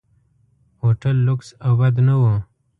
هوټل لکس او بد نه و.